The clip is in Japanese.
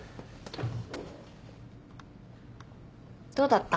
どうだった？